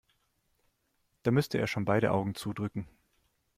Da müsste er schon beide Augen zudrücken.